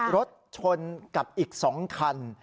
รถชนกับอีก๒คัน